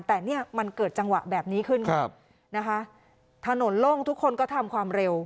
แต่เนี่ยมันเกิดจังหวะแบบนี้ขึ้นครับนะคะถนนโล่งทุกคนก็ทำความเร็ว